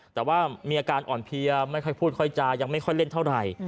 แต่ว่ามีอาการอ่อนเพลียไม่ค่อยพูดค่อยจายังไม่ค่อยเล่นเท่าไหร่